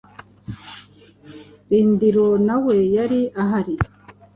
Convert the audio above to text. rindiro na we yari ahari